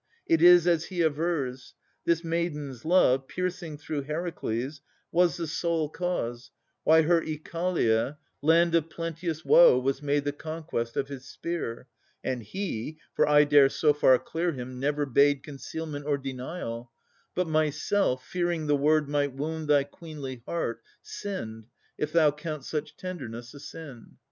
It is as he avers. This maiden's love, Piercing through Heracles, was the sole cause, Why her Oechalia, land of plenteous woe, Was made the conquest of his spear. And he For I dare so far clear him never bade Concealment or denial. But myself, Fearing the word might wound thy queenly heart, Sinned, if thou count such tenderness a sin.